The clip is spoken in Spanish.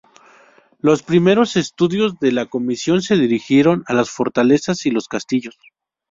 Los primeros estudios de la Comisión se dirigieron a las fortalezas y los castillos.